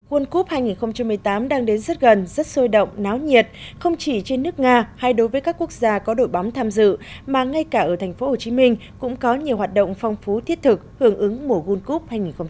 world cup hai nghìn một mươi tám đang đến rất gần rất sôi động náo nhiệt không chỉ trên nước nga hay đối với các quốc gia có đội bóng tham dự mà ngay cả ở tp hcm cũng có nhiều hoạt động phong phú thiết thực hưởng ứng mùa world cup hai nghìn một mươi chín